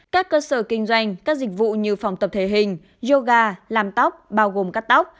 các cơ sở kinh doanh các dịch vụ như phòng tập thể hình yoga làm tóc bao gồm cắt tóc